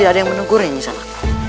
tidak ada yang menegur yang di sana